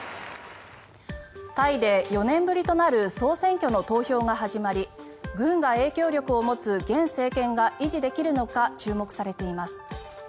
タイで４年ぶりとなる総選挙の投票が始まり軍が影響力を持つ現政権が維持できるのか注目されています。